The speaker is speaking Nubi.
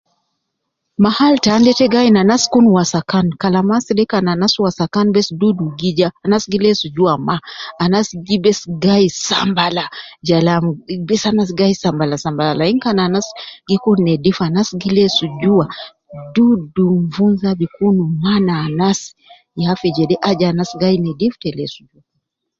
Mahal tan de te gi ayin anas kun wasakan ,Kalam asede kan anas wasakan bes dudu gi ja, anas gi lesu jua ma, anas gi bes gai sambala ja lam ,bes anas gi gai sambala sambala lain kan anas gi kun nedif anas gi lesu jua, dudu nvunza bi kun ma na anas ya fi jede aju anas gai nedif ke lesu